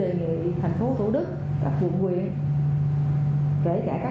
tôi đề nghị thành phố thủ đức các quận huyện kể cả các cái tiểu bang